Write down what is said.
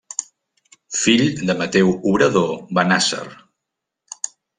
Fill de Mateu Obrador Bennàsser.